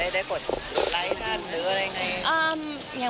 ได้กดไลค์กันหรืออะไรอย่างนั้น